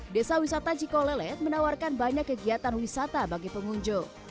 desa wisata cikolelet menawarkan banyak kegiatan wisata bagi pengunjung